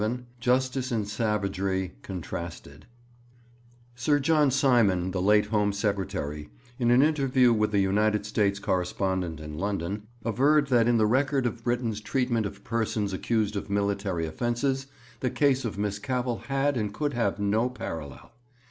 XI JUSTICE AND SAVAGERY CONTRASTED Sir John Simon, the late Home Secretary, in an interview with a United States correspondent in London, averred that in the record of Britain's treatment of persons accused of military offences the case of Miss Cavell had and could have no parallel.